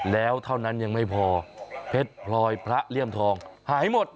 แล้วเท่านั้นยังไม่พอเพชรพลอยพระเลี่ยมทองหายหมด